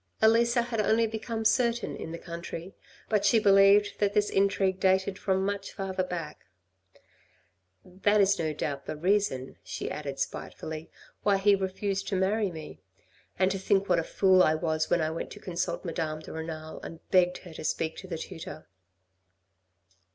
Elisa had only become certain in the country, but she believed that this intrigue dated from much further back. "That is no doubt the reason," she added spitefully, "why he refused to marry me. And to think what a fool I was when I went to consult Madame de Renal and begged her to speak to the tutor."